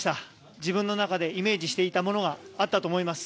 自分の中でイメージしていたものがあったと思います。